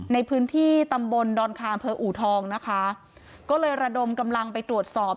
ในพื้นที่ตำบลดอนคามเภอูทองนะคะก็เลยระดมกำลังไปตรวจสอบ